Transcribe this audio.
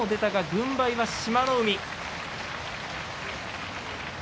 軍配は志摩ノ海。